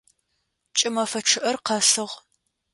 Кӏымэфэ чъыӏэр къэсыгъ.